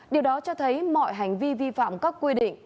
điều đó cho thấy mọi hành vi vi phạm các quy định